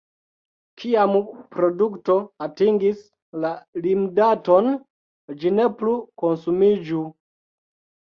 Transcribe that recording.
Kiam produkto atingis la limdaton, ĝi ne plu konsumiĝu.